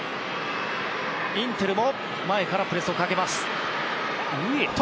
インテルも前からプレスをかける。